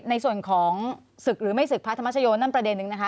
ในส่วนของศึกหรือไม่ศึกพระธรรมชโยนั่นประเด็นนึงนะคะ